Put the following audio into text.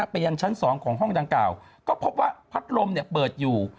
ไปยังชั้น๒ของห้องดังกล่าวก็พบว่าพัดลมเปิดอยู่